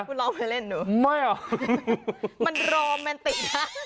คุณลองไปเล่นหนูมันโรแมนตินะ